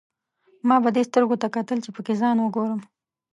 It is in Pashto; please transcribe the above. ما به دې سترګو ته کتل، چې پکې ځان وګورم.